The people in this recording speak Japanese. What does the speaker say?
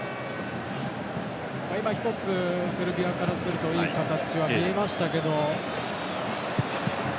１つ、セルビアからするといい形は見えましたけど。